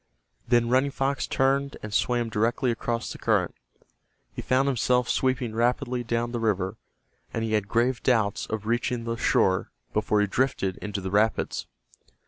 Then Running Fox turned and swam directly across the current. He found himself sweeping rapidly down the river, and he had grave doubts of reaching the shore before he drifted into the rapids.